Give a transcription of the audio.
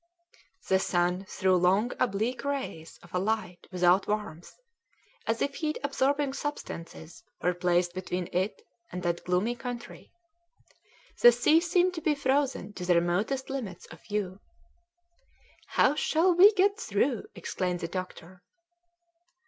The sun threw long oblique rays of a light without warmth, as if heat absorbing substances were placed between it and that gloomy country. The sea seemed to be frozen to the remotest limits of view. "How shall we get through?" exclaimed the doctor.